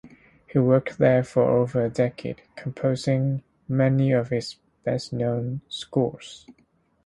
He worked there for over a decade, composing many of his best-known scores.